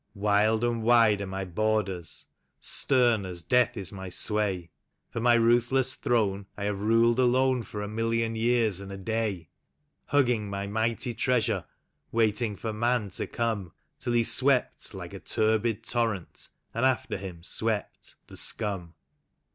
" Wild and wide are my borders, stern as death is my sway; From my ruthless throne I have ruled alone for a million years and a day; Hugging my mighty treasure, waiting for man to come : Till he swept like a turbid torrent, and after him swept — the scum.